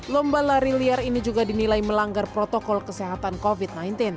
lomba lari liar ini juga dinilai melanggar protokol kesehatan covid sembilan belas